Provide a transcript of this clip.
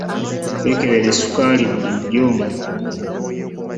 Weekebere sukaali bulijjo.